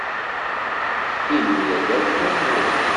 Inuda-d akk tamurt.